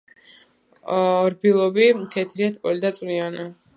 რბილობი თეთრია, ტკბილი და წვნიანი.